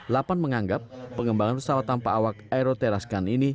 lapan menganggap pengembangan pesawat tanpa awak aeroteraskan ini